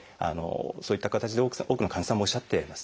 そういった形で多くの患者さんもおっしゃってますね。